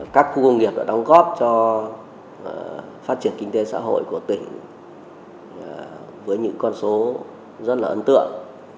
các khu công nghiệp đã đóng góp cho phát triển kinh tế xã hội của tỉnh với những con số rất là ấn tượng